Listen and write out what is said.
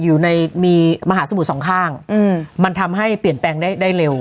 อยู่ในมีมหาสมุทรสองข้างมันทำให้เปลี่ยนแปลงได้ได้เร็ว